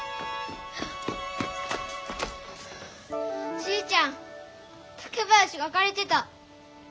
じいちゃん竹林がかれてた！